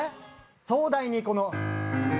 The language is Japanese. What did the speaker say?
壮大に、この。